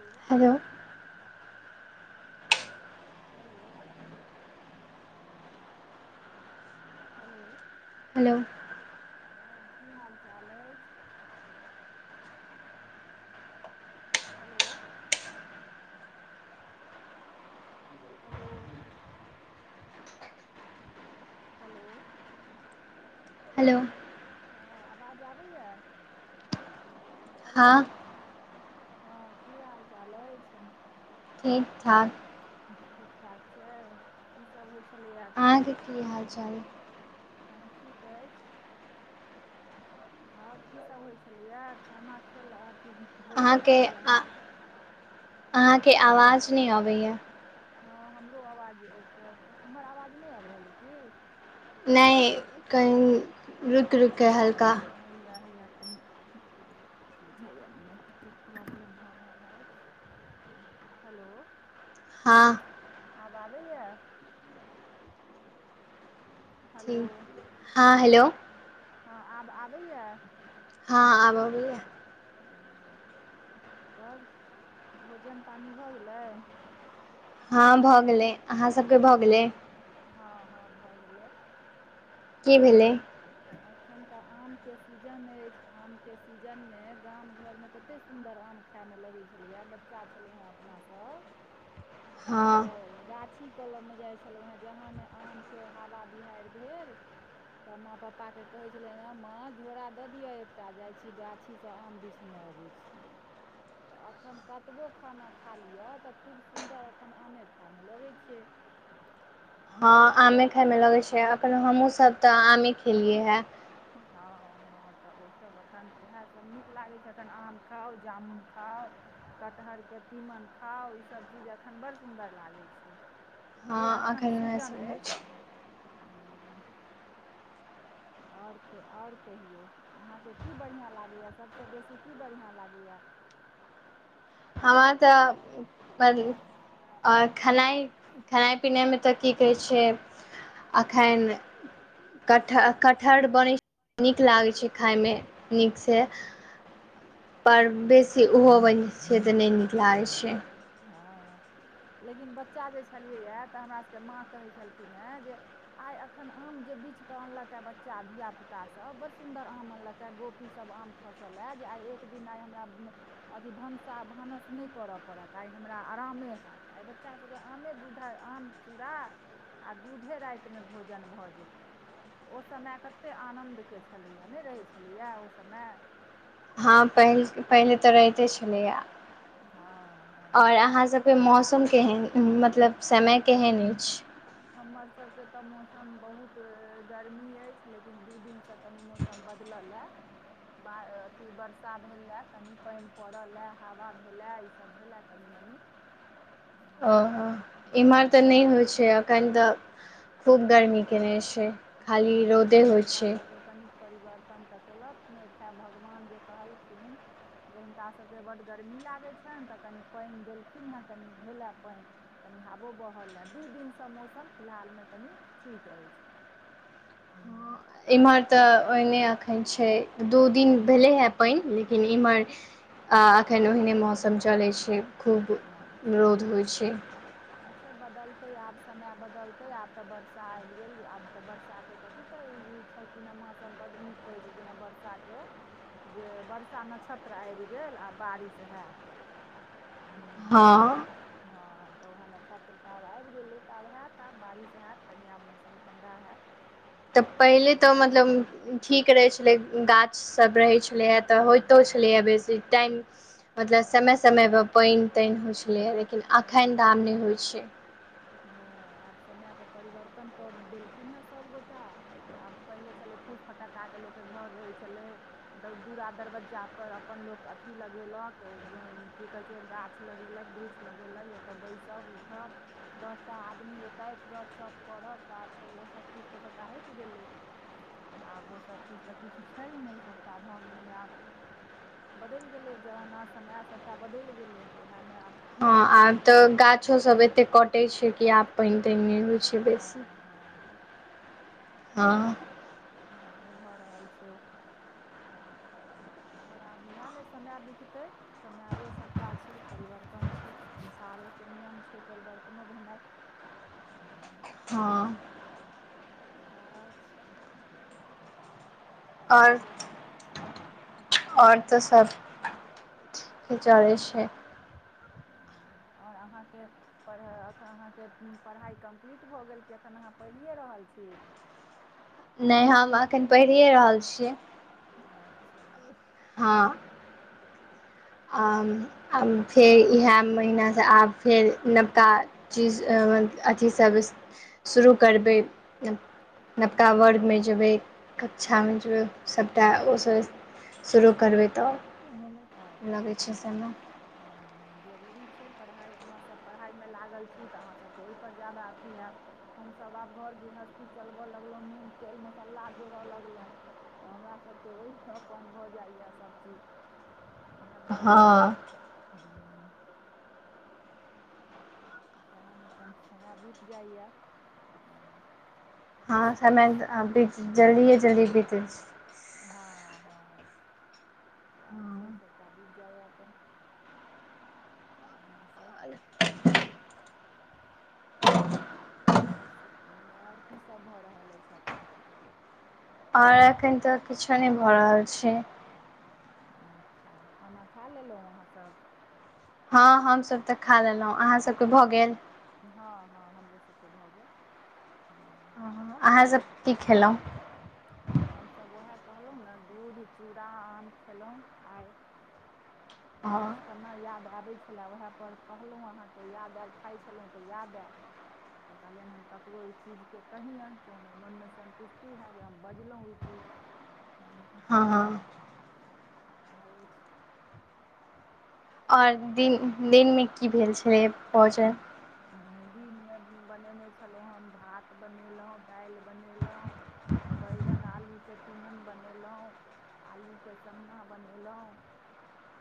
हलो। Hello. Hello hello hello हँ की हाल चाल अइछ। हलो हलो हलो हेलो हँ अबाज आबैया। हलो हँ हँ की हाल -चाल अइछ। ठीक -ठाक ठीक -ठाक छै की सब होय छेलैया अखन। अहाँके की हाल- चाल। हँ ठीक अइछ। और की सब होय छेलैए खाना खलए अथी। भोजन भऽ अहाँके गेलै अहाँसँ आ-अहाँके अवाज नै अबैया। हँ हमरो अवाज क-क हमर अवाज नै आइब रहल अइ की। नै कही। एक मिनट हइया- हइया कनि। बुझैया नेटके प्रॉब्लम भऽ रहल अइछ। हँ हेलो। हँ। आब आबैया। हलो ठीक हँ हेलो हँ आब आबैया। हँ आब अबैया। हँ तब भोजन पानि भऽ गेलै। हँ भऽ गेलै आहाँ सब के भऽ गेलै। हँ हँ भऽ गेलै। की भेलै। एखन तऽ आमके सीजन अइछ आमके सीजनमे गाम घरमे तते सुन्दर आम खा खाए मे लगै छेलैय बच्चा छेलौ हेँ अपना सब। हँ तऽ गाछी कलम मे जाइ छेल हेंँ जहाँ ने आमके हवा बिहैर भेल। तऽ माँ पापा के कहेै छेलियैन हेंँ माँ झोरा दऽ दियअ एकटा जाइ छी गा छीसँ आम बिछने अबै छी। तऽ एखन कतबो खाना खा लिअ तऽ खूब सुन्दर एखन आमे खायइमे लगै छै। हँ आमे खाय मे लगेै छै अखन हमहूँ सब तऽ आमे खेलियै हेंँ। हँ। हँ तऽ ओसभ एखन ओएह सब नीक लागै छैय एखन आम खाउ, जामुन खाउ। कटहरके तीमन खाउ इसभ चीज एखन बडड सुन्दर लागै छैय। हँ जे एखन सीजन अछि। उएहसभ आओर आओर कहियौ अहाँके की बढ़िआँ लागैए, सभसँ बेसी की बढ़िआँ लागैए। हम तऽ ब और खेनाइ खेनाइ पिनाइमे तऽ की कहै छैय एखन कट कटहर बनैत छैय नीक लागैत छैय खायमे नीकसँ। पर अच्छा बेसी ओहो बनै छैय तऽ नय नीक लागैत छै। हँ लेकिन बच्चा जे छलियैए तऽ हमरासभके माँ कहै छलखिन हे जे आइ एखन आम जे बिछकेऽ अनलक ह बच्चा धियापुतासभ, बड़ सुन्दर आम अनलक ह गोपीसभ आम खसलए जे आइ एक दिन आइ हमरा अथी भनसा भानस नहि कर पड़त, आइ हमरा आरामे हैत। आइ बच्चाभके आमे दूध आ आम चूड़ा आ दूधे रातिमे भोजन भऽ जेतै। ओ समय कतेक आनन्दके छलैएा नहि रहै छलैए ओ समय। हँ प पहिले तऽ रहिते छलैया। हँ हँ आओर अहाँ सब मौसम केहन मतलब समय केहन अछि। हमर सभके तऽ मौसम बहुत गर्मी अछि लेकिन दू दिन सँ कनि मौसम बदललए। बा अथी वर्षा भेलए, कनि पानि पड़लए, हवा भेलए, ईसभ भेलए कनि मनि। ओ इमर हँ तऽ नहि लेकिन होइ छै अ खनि तऽ खूब गर्मी केने छैय, खाली रौदे नहि होइ हमरा छैय। सभके कनिक परिवर्तन तऽ केलथि ने, तैं भगवान जे कहलखिन जे हिनका सभके बड्ड गर्मी लागैत छनि तऽ कनि पाइन देलखिन हे कनि भेले पाइन। कनि हाबो बहल हए, दू दिनसँ मौसम फिलहालमे कनि ठीक रहय छैय। हूँ। एम्हर तऽ ओहिने एखन छैय, दू दिन भेलै हे पइन लेकिन एम्हर आ एखन ओहिने मौसम चलै छैय। अच्छा। अच्छा बदलतै आब समय बदलतै आब तऽ वर्षा आबि गेल आब तऽ वर्षाके कथी कयल छलखिन हेँ माँ सब बड्ड नीक कहै छलखिन हेँ बरषा के। जे वर्षा नक्षत्र आबि गेल आब बारिश हैत। हूँ तऽ हँ। हँ तऽ ओह नक्षत्र तऽ आब आबि गेलै तऽ आब हैत आब बारिश हैत कनि आब मौसम ठण्डा हैत। तऽ पहिले तऽ मतलब ठीक रहै छलै गाछसभ रहै छलै हँ। तऽ होइतो छलै ह हँ बेसी, टाईम मतलब हँ समय-समय पर पइन तानि होइ छलै। हँ- हँ। हां आब समय के परिवर्तन कऽ देलखिन हे सब गोटा। आब पहिले छलै फूस-फटक्का के लोक के घर रहै छलै। द दूरा दरवज्जा पर अपन लोक अथी लगेलक ग की कहै छै गाछ लगेलक वृछ लगे-लगे ओतऽ बैसब उठब। दस टा आदमी अयतैथ गपशप करब तऽ आब सब ओसब चीज तऽ सभटा हैट गेलै। तऽ आब ओसब चीज तऽ किछु छै नै सबटा भऽ गेलै आब बदैल गेलै जमाना समय सबटा बदैल गेलै तऽ वएहमे आब हँ आब तऽ गाछो सब एते कटे छैय कि आब पाइन ताइन हँ- हँ हँ तऽ सभ नहि भऽ रहल छैय। आओर आब इएह ने समय बिततै। समयै सबटा छै, परिवर्तन छै, संसारेके नियम छै परिवर्तनो भेनाइ। हँ। उहाए छैय। आओर कहियौ। आओर तऽ सब ठीकै चलै छैय। हाँ आओर अहाँके। पढ़ाए एखन अहाँके उ पढ़ाइ कम्प्लीट भऽ गेल कि एखन अहाँ पैढ़िए रहल छी। नै हम अखन पढ़ियै रहल छियै। अच्छा। हाँ। आम-आम फेर इहाए महिनासँ आब फेर नवका चीज अथी सब शुरू करबै, नवका वर्ग में जेबै, कक्षा में जेबै। अच्छा सभटा ओसँ शुरू करबै तऽ। लगै अच्छा छै समय हां-हां। जरूरी छै पढ़ाई, अहाँसभ पढ़ाइमे लागल छी, तऽ अहाँसभके ओहिपर ज्यादा अथि हैत। हमसब आब घर गृहस्थी चलबय लगलहुँ, नून, तेल मसाला जोड़य लगलहुँ। तऽ हमरा सभके ओहिसँ अपन भऽ जाइये सभ चीज। उएह भऽ हँ जाइत छै तऽ हुं। सएहमे अपन समय बीत जाइए। हँ समय अभी जल्दिए- जल्दी बीतै छै। हां-हां साएह छै सबटा बीत जायया अपन। इहाए सब। हू आओर सु, आओर कीसभ भऽ रहल अछि एखन। आओर एखैन तऽ कुछौ नहि भऽ रहल छैय। अच्छा खाना खा लेलौ अहाँसब। हँ हमसभ तऽ खा लेलहुँ, अहाँ सबके भऽ गेल। हँ-हँ हमरो सबके भऽ गेल। अहाँ सब की खेलौ? हमसब उएह कहलहु ने, दूध, चूड़ा, आम खेलहुं आइ। तऽ हँ बचपना याद आबै छलए, उएहपर कहलहुँ अहाँकेँ याद आयल, खाइ छलहुँ तऽ याद आयल। तऽ कहलियनि हम ककरो ई चीजकेँ कहियनि जे हमर मोनमे सन्तुष्टि हएत जे हम बजलहुँ ई चीज हुँ। हँ हँ। हँ अइछ। आओर दिन दिनमे की भेल छलै भोजन। दिनमे बनेने छलहुँ हम भात बनेलहु, दालि बनेलहुँ बैगन आलूके तीमन बनेलहुँ आलूके सन्ना बनेलहुँ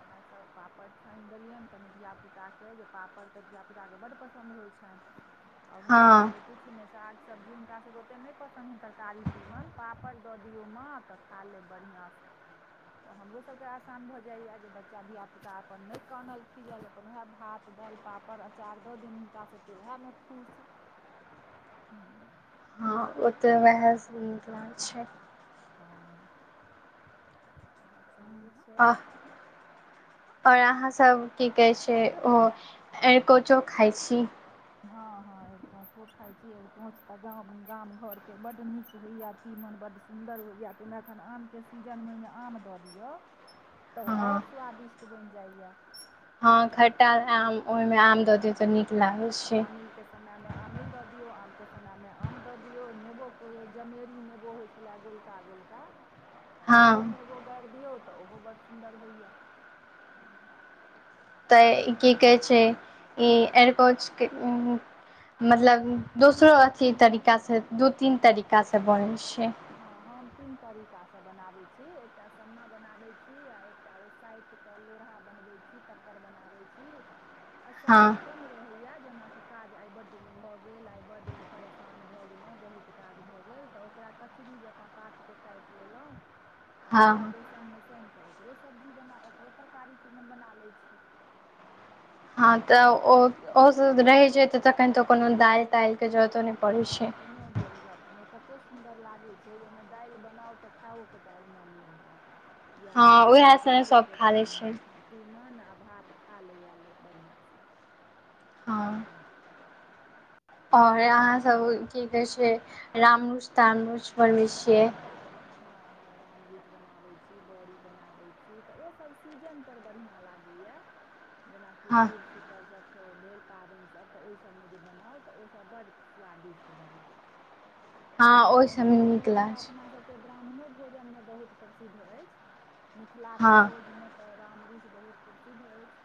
उएहे सब पापड़ छानि देलियनि कनि धिया पुताके जे पापड़ तऽ धिया पुता के बड पसन्द पसन्द होइ छन। आओर हँ हुनकासभके किछु नहि साग सब्जी हुनकासभके ओतेक नहि पसन्द हेतनि तरकारी तीमन पापड़ दऽ दियौ माँ तऽ खा लेब बढ़िआँसँ। तऽ हमरो सब के आसान भऽ जाइए जे बच्चा धियापुता अपन नै कानल- खिजल अपन उहे भात, दैल। पापड़ आचार दऽ दियौ हुनका सबके ओएह मे खुश। हँ ओतऽ वएहसँ निक लागै छै। हँ ओएह सब [unintelligible] अह और आहाँ सब की कहै छै ओ एरकोचो खाइ छी। हँ हँं एरकोचो खाय छी एरकोंच तऽ गाम -गाम घर के बड़ नीक होइया तीमन बड सुन न्दर होया तैय मे अखन ओहिमे एखन आमके सीजनमे ओहिमे आम दऽ दियौ। तऽ और हँ स्वादिष्ट बैन जायया। हँ खट्टा आम ओय मे आम दऽ दियौ तऽ नीक लागै छै। समय मे आमिल दऽ दियो आम के समय मे आम दऽ दियो नेबो के जमेरी नेबो होय छै छेला गोलका -गोलका ओहो हँ नेबो गाइर दियौ तऽ ओहो बड़ सुन्दर होय या। तऽ की कहै छै ई एरिकोच के उं हूँ। मतलब दोसरो अथी तरीका सँ दू तीन तरीका सँ बनै छै। हँ हम तीन तरीका सँ बनाबै छी एकटा सन्ना बनाबै छी आ एक एकटा ओ सैट कऽ लोरहा बनबेै छी तक्कर बनाबेै छी आ हँ समेय कम रहैया जेनाकि काज आय बड भऽ गेल आय बड परेशान भए गेलों बहुत काज भऽ गेल तऽ ओकरा कचरी जेंका पात के काइट लेलौ आ ओकरा हँ बेसन बेसन मे सैन कऽ ओकरो सब्जी बना ओकरो तरकारी तीमन बना लेै छी। हँ तऽ ओ -ओ सब रहेै छै तऽ तखन तो कोनो दाईल- ताईल के जरूरत हँ कूनो जरूरत। [unintelligible] तते सुन्दर लागै छै जे ओय मे दैल बनाउ तऽ खेएओ के दाइल मोन नै हेऽत। जा आय हँ तऽ उएह सने एरिकोचे सभ के खा लै छै हूँ। तीमन आ भात खा लैए लोक बढ़िआंसँ। हँ। और आहाँ सब की कहै छै रामरुच -तामरुच बनबै छियै। हँ हँ राम रुइच बनाबै छी बड़ी बनाबै छी तऽ ओसब सीजन पर बढ़िआँ लागैया। जेनाकि हँ जुर सि तल सबसँ पर भेल पाबैन सब तऽ ओईसब मे जे बनाउ तऽ ओसब बड्ड स्वादिष्ट बनल। हँ आ ओहि ओना सभमे नीक रामरुइच तऽ लागै छै अपना सब। ब्राह्मणो भोजन मे बहुत प्रसिद्ध अइछ मिथिलाके हँ भोज मे। तऽ रामरुइच बहुत प्रसिद्ध अइछ।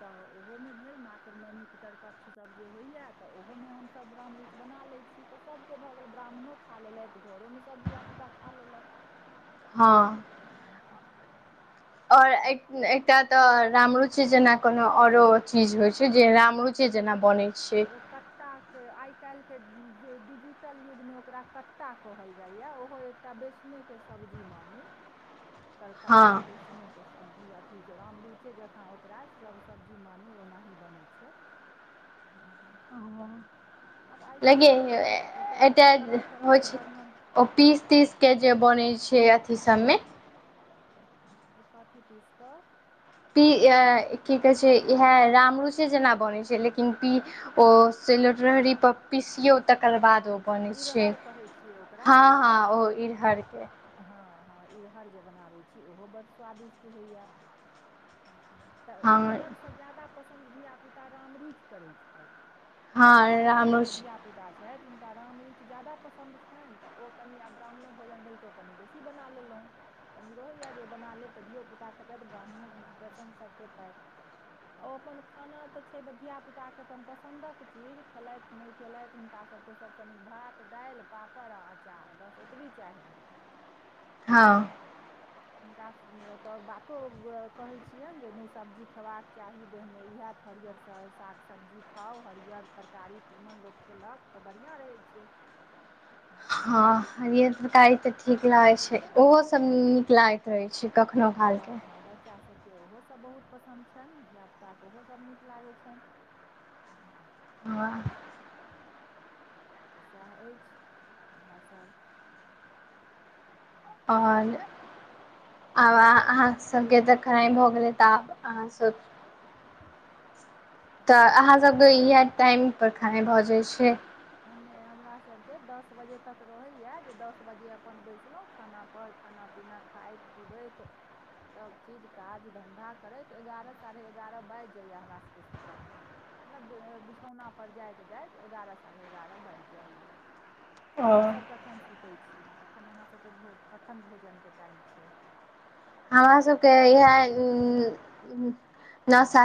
तऽ ओहोमे भेल मातृ नवमी पितृपक्ष सब जे होइया तऽ ओहोमे हम रामरुइच बना लेै छी त सब के भऽ गेल ब्राह्मणो खा लेलैथ घरो मे सब धिया पुता खा ले‌‍‌‌लक। हँ। हूँ हुँ। और एक -एकटा तऽ रामरुचिे जेना कोनो औरो चीज होय छै जे रामरुचि ‌‌‍‌जेना बनैं। ओ कट कट्टाके आय कैल्ह के जे डिजिटल युगमे ओकरा कट्टा कहल जाय या ओहो एकटा बेसने के सब्जी मानु हँ तरकारी बेस बेसने के सब्जी अथी रामरुइचे जेंकाँ ओकरा सब सब्जी मानू ओनाही बनै छै। हूँ हूँ। लगे युग मे ओकरा एटा तरह तरह हो के छै। वर्णन ओ पीस तीस के जे बन छै। अथी सब मे कथी पीस कऽ पी की कहै छै। इएह राम रुचे जेना बनै छै। लेकिन पी ओ सेलॉट लोटरी पर पीसियो तकर बाद ओ बन छै। इरहर कहै छियै ओकरा हँ हँ इरहर ओ इरहरके। हँ हँ इरहर जे बनाबै छी। ओहो बड़ स्वादिष्ट होइए। तऽ हँ ई रहरसँ ज्यादा पसन्द धियापुता रामरुचि करै छथि। हमरा हँ घरमे जे रामरूच धियापुता छथि। हु हुनका राम रूचि जादा पसन्द छनि। तऽ ओ कनि आब ब्राह्मणो भोजन भेल। तऽ ओ कनि बेसी बना लेलहुँ। कनि रहैए। जे ओ बना लेब तऽ धियोपुता खेतथि ब्राह्मणो प्रसन्नसँ खेतथि। ओ अपन खाना तऽ छै। धिय पुता के अपन पसन्दक चीज खेलथि। नहि खेलथि हुनकास सभके सभसँ नीक भात दालि पापड़ आ अँचार बस ओतबी चाहियनि। हँ। हुनका तऽ बातो कहैत छियनि। जे नहि सब्जी खयबाक चाही। देहमे इएह हथरियर साग सब्जी खाउ हरियर तरकारी तीमन लोको खेलक तऽ बढ़िया रहे छै। हूँ। [unintelligible] हँ हरियर तरकारी तऽ ठीक लागै छै। ओहो सभ हँ नीक लागैत रहै छै। कखनो कालके आ बच्चासभ के ओहो सभ बहुत पसन्द छनि। धियापुताके ओहो सभ नीक लागै छनि। वाह [unintelligible] तऽ सएह अछि। इएहसभ हू [unintelligible] आओर आओर आ। [unintelligible] सभके तक खराइ भ गेलै। तऽ आब अहाँसभ। तऽ कथी अहाँसभ त इएह टाइम पर खेनाइ भऽ जाइत छै। आ नहि हमरा सभके दस बजे तक रहैया। जे दस बजे अपन बैसलहुँ। खाना पर खाना पीना खाइत पीबैत। सभचीज काज धन्धा करैत। एगारह साढ़े एगारह बाजि जाइए हमरा सभके सुतऽमे। मतलब बि बिछौनापर जाइत जाइत एगारह साढ़े एगारह बढ़ि जाइए। ओ अहाँसभ कखन सुतै छी। कखन अहाँसभके भो कखन भोजनके टाइम छै। हमरा सब के इह नओ सा